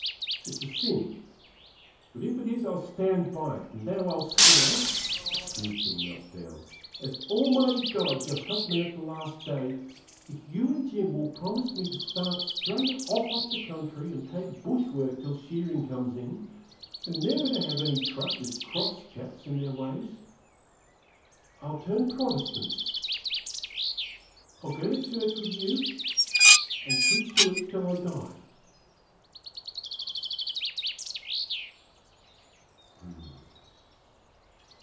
It's a sin, but if it is I'll stand by it, and now I'll swear it (here she knelt down), as Almighty God shall help me at the last day, if you and Jim will promise me to start straight off up the country and take bush work till shearing comes on, and never to have any truck with cross chaps and their ways, I'll turn Protestant. I'll go to church with you, and keep to it till I die.'